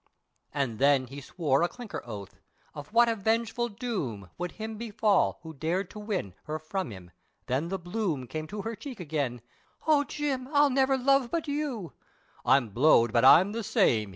And then he swore a clinker oath, of what a vengeful doom, Would him befal, who dared to win her from him, then the bloom Came to her cheek again, "O Jim I'll never love but you," "I'm blowed but I'm the same!"